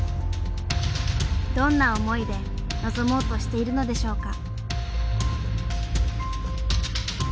どんな思いで臨もうとしているのでしょうか。